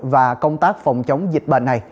và công tác phòng chống dịch bệnh này